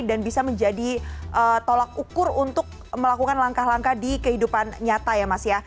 bisa menjadi tolak ukur untuk melakukan langkah langkah di kehidupan nyata ya mas ya